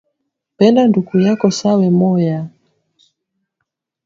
Penda nduku yako sa wemoya